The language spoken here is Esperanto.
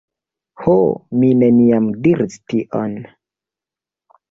Ho, mi neniam diris tion.